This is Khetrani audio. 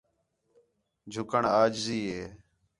جُھکّݨ عاجزی ہے